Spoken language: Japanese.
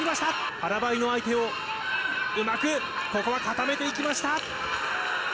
腹ばいの相手をうまく、ここは固めていきました。